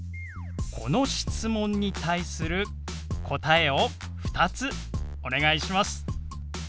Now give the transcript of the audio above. この質問に対する答えを２つお願いします。